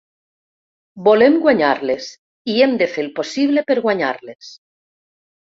Volem guanyar-les i hem de fer el possible per guanyar-les.